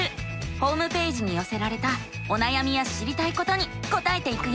ホームページによせられたおなやみや知りたいことに答えていくよ。